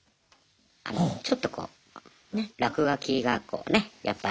あのちょっとこう落書きがこうねやっぱり。